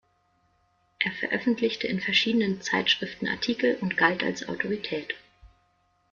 Er veröffentlichte in verschiedenen Zeitschriften Artikel und galt als Autorität.